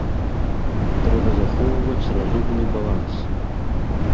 Трэба захоўваць разумны баланс.